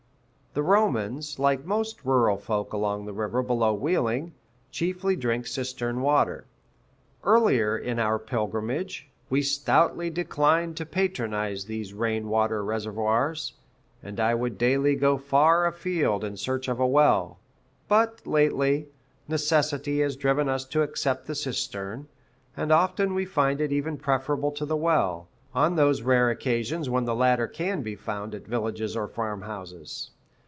The Romans, like most rural folk along the river below Wheeling, chiefly drink cistern water. Earlier in our pilgrimage, we stoutly declined to patronize these rain water reservoirs, and I would daily go far afield in search of a well; but lately, necessity has driven us to accept the cistern, and often we find it even preferable to the well, on those rare occasions when the latter can be found at villages or farm houses.